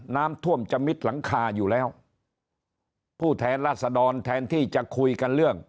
น้ำท่วมจะมิดหลังคาอยู่แล้วผู้แทนราษฎรแทนที่จะคุยกันเรื่อง